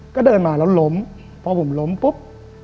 ก็เดินมาแล้วล้มพอผมล้มปุ๊บ